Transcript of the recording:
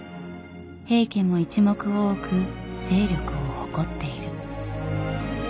平家も一目を置く勢力を誇っている。